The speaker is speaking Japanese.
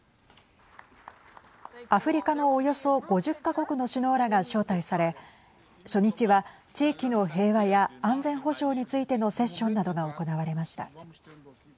アフリカのおよそ５０か国の首脳らが招待され初日は地域の平和や安全保障についてのセッションなどが行われました。